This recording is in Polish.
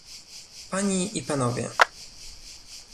Pani i Panowie